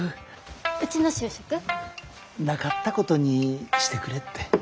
うちの就職？なかったことにしてくれって。